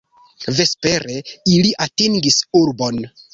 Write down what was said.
Vespere ili atingis urbon.